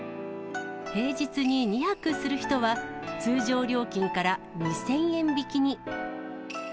平日に２泊する人は、通常料金から２０００円引きに。